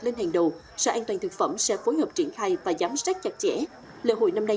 lên hàng đầu sở an toàn thực phẩm sẽ phối hợp triển khai và giám sát chặt chẽ lễ hội năm nay